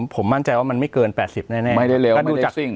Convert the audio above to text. ผมมั่นใจว่ามันไม่เกิน๘๐แน่ไม่ได้เร็วถ้าดูจากสิ่ง